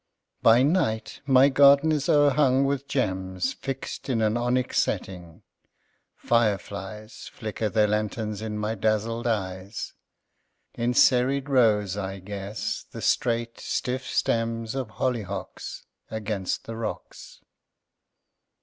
By night my garden is o'erhung with gems Fixed in an onyx setting. Fireflies Flicker their lanterns in my dazzled eyes. In serried rows I guess the straight, stiff stems Of hollyhocks Against the rocks.